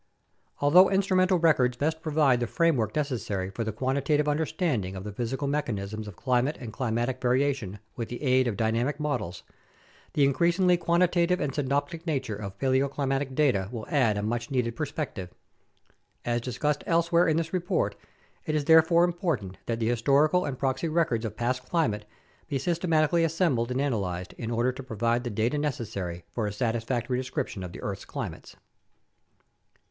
Although instrumental records best provide the framework neces sary for the quantitative understanding of the physical mechanisms of climate and climatic variation with the aid of dynamical models, the increasingly quantitative and synoptic nature of paleoclimatic data will add a much needed perspective. As discussed elsewhere in this report, it is therefore important that the historical and proxy records of past climate be systematically assembled and analyzed, in order to provide the data necessary for a satisfactory description of the earth's climates.